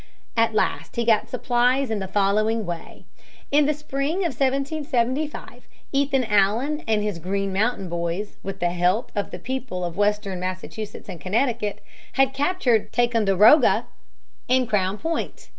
At last he got supplies in the following way. In the spring of 1775 Ethan Allen and his Green Mountain Boys, with the help of the people of western Massachusetts and Connecticut, had captured Ticonderoga and Crown Point.